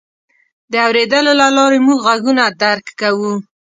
د اورېدلو له لارې موږ غږونه درک کوو.